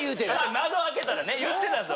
窓開けたらね言ってたんですよ。